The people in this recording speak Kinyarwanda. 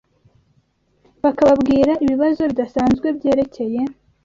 bakababwira ibibazo bidasanzwe byerekeye